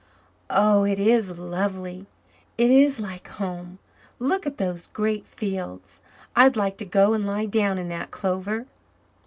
"Oh, it is lovely it is like home. Look at those great fields. I'd like to go and lie down in that clover."